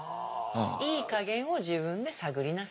いい加減を自分で探りなさいと。